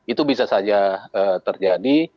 itu bisa saja terjadi